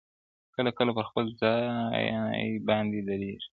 کله کله پر خپل ځای باندي درېږي -